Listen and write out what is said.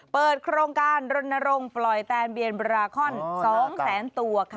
เปิดโครงการรณรงค์ปล่อยแตนเบียนบราคอน๒แสนตัว